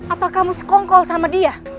apa kamu sekongkol sama dia